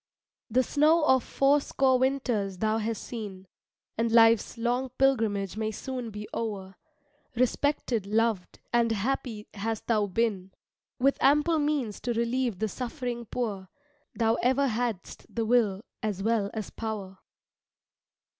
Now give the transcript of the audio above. The snow of four score winters thou has seen, And life's long pilgrimage may soon be o'er; Respected, loved, and happy hast thou been, With ample means to relieve the suffering poor, Thou ever hadst the will, as well as power.